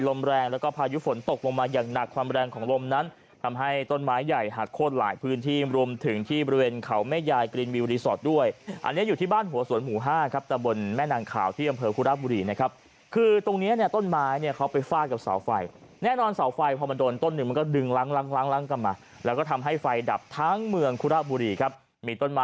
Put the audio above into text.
ลมแรงแล้วก็พายุฝนตกลงมาอย่างหนักความแรงของลมนั้นทำให้ต้นไม้ใหญ่หักโค้นหลายพื้นที่รวมถึงที่บริเวณเขาแม่ยายกรีนวิวรีสอร์ทด้วยอันนี้อยู่ที่บ้านหัวสวนหมู่ห้าครับแต่บนแม่นางข่าวที่อำเภอคุณบุรีนะครับคือตรงนี้เนี่ยต้นไม้เนี่ยเขาไปฝากกับเสาไฟแน่นอนเสาไฟพอมันโดนต้นหนึ่งม